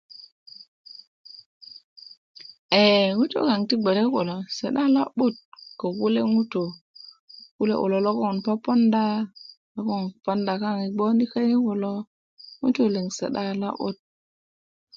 ee ŋutu' kayaŋ ti gboke 'ba lobut ko kule kulo si'da lo'but kule ŋutu' kulo logon poponda logon ponda kayaŋ yi gboke lo ŋutu' liŋ si'da lo 'but